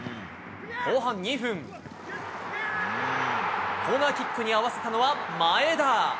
後半２分コーナーキックに合わせたのは前田。